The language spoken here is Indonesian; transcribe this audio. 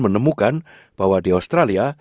menemukan bahwa di australia